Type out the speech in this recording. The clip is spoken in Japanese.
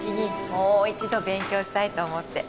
もう一度勉強したいと思って